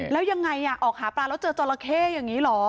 แล้วยังไงออกหาปลาแล้วเจอจราเข้อย่างนี้เหรอ